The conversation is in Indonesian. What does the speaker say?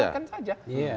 ya diberikan saja